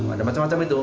ada macam macam itu